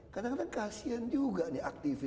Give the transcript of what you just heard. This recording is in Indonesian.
kadang kadang kasian juga nih aktivis